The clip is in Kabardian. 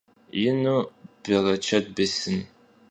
Yinu berıçet bêsın.